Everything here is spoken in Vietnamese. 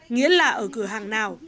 nghĩa là ở cửa hàng nào